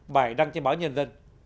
bài đăng trên báo nhân dân